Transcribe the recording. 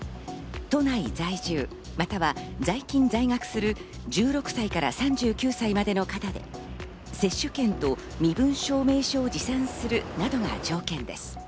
都内在住、または在勤・在学する１６歳から３９歳までの方で接種券と身分証明書を持参するなどが条件です。